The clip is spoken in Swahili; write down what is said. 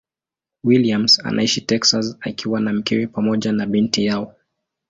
Williams anaishi Texas akiwa na mkewe pamoja na binti yao.